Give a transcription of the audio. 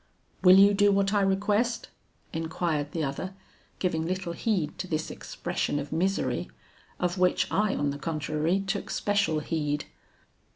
'Will you do what I request?' inquired the other, giving little heed to this expression of misery, of which I on the contrary took special heed.